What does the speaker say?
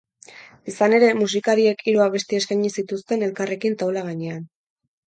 Izan ere, musikariek hiru abesti eskaini zituzten elkarrekin taula gainean.